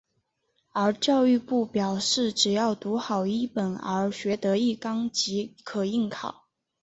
而教育部表示只要读好一本而学得一纲即可应考。